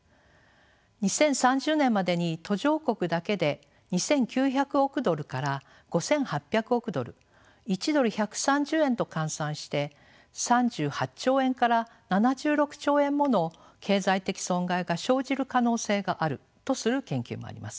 ２０３０年までに途上国だけで２，９００億ドルから５，８００億ドル１ドル１３０円と換算して３８兆円から７６兆円もの経済的損害が生じる可能性があるとする研究もあります。